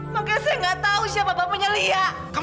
makanya saya gak tau siapa bapaknya lya